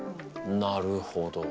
なるほど。